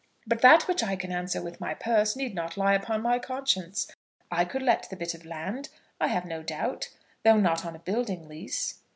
But that which I can answer with my purse, need not lie upon my conscience. I could let the bit of land, I have no doubt, though not on a building lease."